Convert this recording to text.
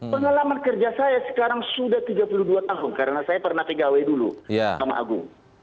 pengalaman kerja saya sekarang sudah tiga puluh dua tahun karena saya pernah pegawai dulu sama agung